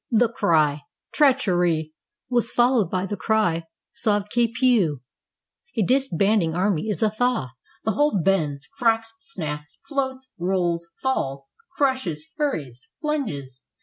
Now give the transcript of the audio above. The cry: "Treachery!" was followed by the cry: "Sauve qui peutl'' A disbanding army is a thaw. The whole bends, cracks, snaps, floats, rolls, falls, crushes, hurries, plunges.